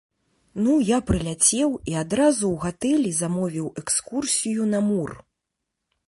Ну, я прыляцеў і адразу ў гатэлі замовіў экскурсію на мур!